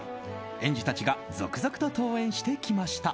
園児たちが続々と登園してきました。